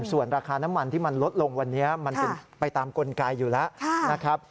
ส่วนราคาน้ำมันที่มันลดลงวันนี้มันเป็นไปตามกลไกอยู่แล้วนะครับ